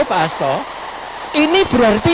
pak hasto ini berarti